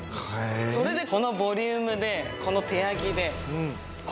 それでこのボリュームでこの手焼きでです